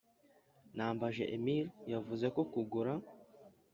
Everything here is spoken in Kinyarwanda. Nambaje emile yavuze ko kugura